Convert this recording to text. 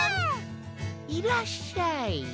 いらっしゃい。